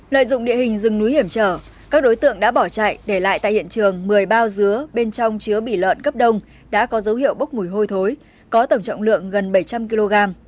lợi dụng địa hình rừng núi hiểm trở các đối tượng đã bỏ chạy để lại tại hiện trường một mươi bao dứa bên trong chứa bỉ lợn cấp đông đã có dấu hiệu bốc mùi hôi thối có tổng trọng lượng gần bảy trăm linh kg